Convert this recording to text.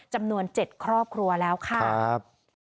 จำนวน๗ครอบครัวแล้วค่ะ